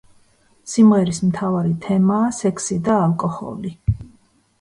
სიმღერის მთავარი თემაა სექსი და ალკოჰოლი.